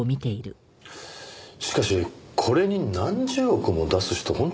しかしこれに何十億も出す人